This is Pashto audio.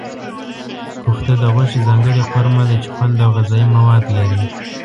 کوفته د غوښې ځانګړې قورمه ده چې خوند او غذايي مواد لري.